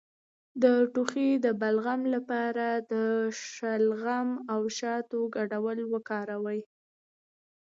د ټوخي د بلغم لپاره د شلغم او شاتو ګډول وکاروئ